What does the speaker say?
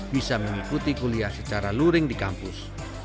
bisa mengikuti kuliah secara luring di kampus